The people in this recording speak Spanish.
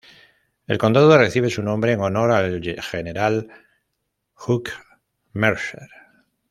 El condado recibe su nombre en honor al general Hugh Mercer.